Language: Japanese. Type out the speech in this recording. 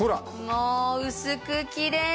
もう薄く切れる！